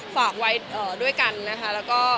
ฝากไว้ด้วยกันนะคะ